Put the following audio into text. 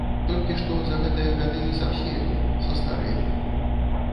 Толькі што за гэтыя гады сапселі, састарэлі.